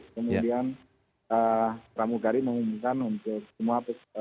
kemudian pramugari mengumumkan untuk semua